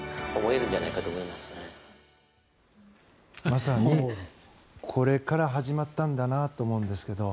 まさにこれから始まったんだなと思うんですけど